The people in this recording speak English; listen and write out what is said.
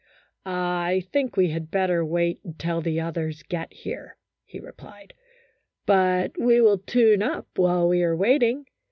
" I think we had better wait until the others get here," he replied ;" but we will tune up while we are waiting.